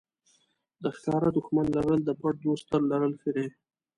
د ښکاره دښمن لرل د پټ دوست تر لرل ښه دي.